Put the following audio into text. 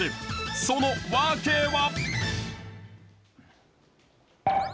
その訳は。